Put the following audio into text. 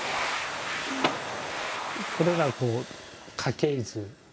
これがこう家系図。